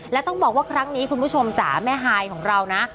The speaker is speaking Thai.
และต้องบอกว่าครั้งนี้คุณผู้ชมจ๋าแม่ฮายของเรานะ